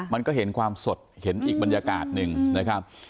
มันก็เห็นความสดเห็นอีกบรรยากาศหนึ่งนะครับ